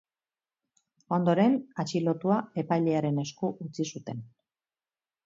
Ondoren, atxilotua epailearen esku utzi zuten.